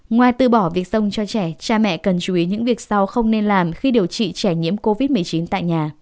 ngoài từ bỏ việc sông cho trẻ cha mẹ cần chú ý những việc sau không nên làm khi điều trị trẻ nhiễm covid một mươi chín tại nhà